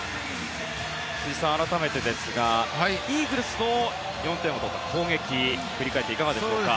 辻さん、改めてですがイーグルスの４点を取った攻撃振り返っていかがでしょうか。